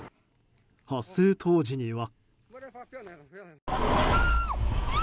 発生当時には。